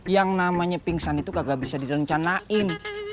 yang namanya pingsan itu kagak bisa di jelasin ya